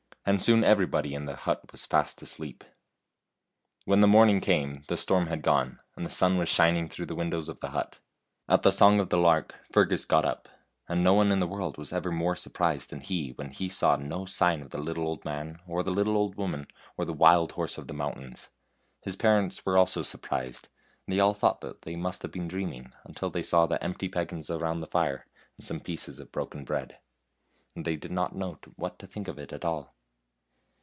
And soon everybody in the hut was fast asleep. When the morning came the storm had gone, and the sun was shining through the windows of the hut, At the song of the lark Fergus got up, and no one in the world was ever more surprised than he when he saw no sign of the little old man, or the little old woman, or the wild horse of the mountains. His parents were also surprised, and they all thought that they must have been dreaming until they saw the empty peggins around the fire and some pieces of broken bread ; and they did not know what to think of it all.